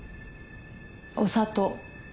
お砂糖。